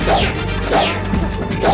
kau hardly bearanku